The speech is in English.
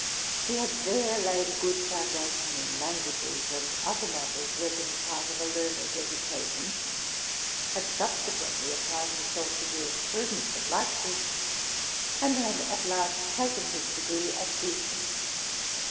He had there laid a good foundation in languages, and other matters reckoned part of a learned education, had subse quently applied himself to jurisprudence at Leipzig, and had at last taken his degree at Giessen.